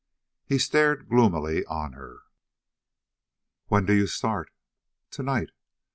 He stared gloomily on her. "When do you start?" "Tonight."